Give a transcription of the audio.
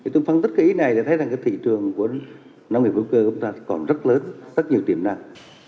tôi phân tích cái ý này để thấy rằng cái thị trường của nông nghiệp hữu cơ của chúng ta còn rất lớn rất nhiều tiềm năng